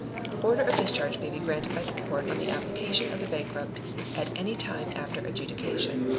Order of discharge may be granted by the Court on the application of the bankrupt at any time after adjudication.